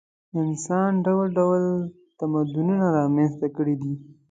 انسان ډول ډول تمدنونه رامنځته کړي دي.